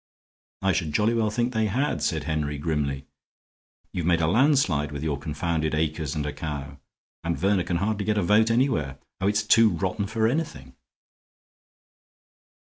"I should jolly well think they had," said Henry, grimly. "You've made a landslide with your confounded acres and a cow, and Verner can hardly get a vote anywhere. Oh, it's too rotten for anything!"